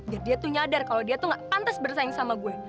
biar dia tuh nyadar kalau dia tuh gak pantas bersaing sama gue